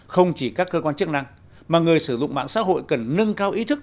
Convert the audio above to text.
không chỉ các cơ quan chức năng mà người sử dụng mạng xã hội cần nâng cao ý thức